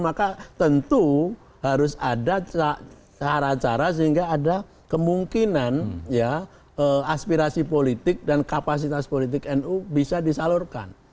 maka tentu harus ada cara cara sehingga ada kemungkinan ya aspirasi politik dan kapasitas politik nu bisa disalurkan